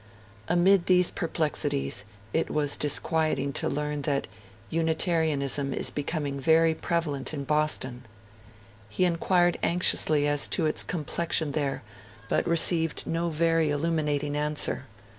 Amid these perplexities, it was disquieting to learn that 'Unitarianism is becoming very prevalent in Boston'. He inquired anxiously as to its 'complexion' there; but received no very illuminating answer.